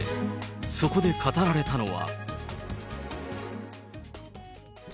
そこで語られたのは。